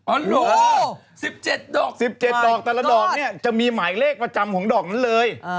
โอ้โหสิบเจ็ดดอกสิบเจ็ดดอกแต่ละดอกเนี้ยจะมีหมายเลขประจำของดอกนั้นเลย